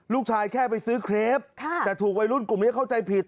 แค่ไปซื้อเครปแต่ถูกวัยรุ่นกลุ่มนี้เข้าใจผิด